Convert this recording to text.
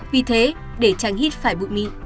vì thế để tránh hít phải bụi mịn